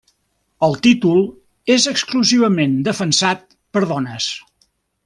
El títol és exclusivament defensat per dones.